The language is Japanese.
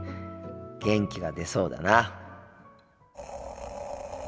元気が出そうだな。